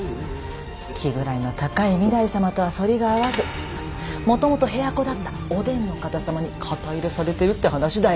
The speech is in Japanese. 気位の高い御台様とは反りが合わずもともと部屋子だったお伝の方様に肩入れされてるって話だよ。